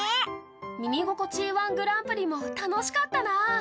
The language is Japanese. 「耳心地いい−１グランプリ」も楽しかったなあ。